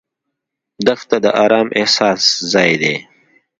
دښته د ارام احساس ځای ده.